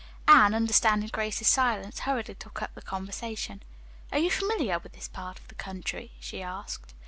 Anne, understanding Grace's silence, hurriedly took up the conversation. "Are you familiar with this part of the country?" she asked.